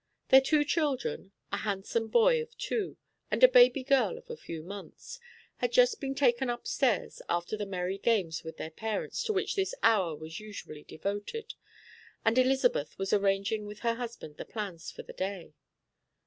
Their two children, a handsome boy of two, and a baby girl of a few months, had just been taken upstairs after the merry games with their parents to which this hour was usually devoted, and Elizabeth was arranging with her husband the plans for the day.